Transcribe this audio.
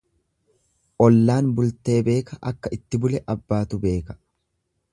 Ollaan bultee beeka akka itti bule abbaatu beeka.